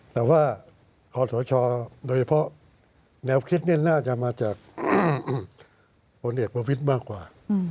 แต่ว่าขอสชโดยเฉพาะแนวคิดนี่น่าจะมาจากผลเอกประวิทย์มากกว่า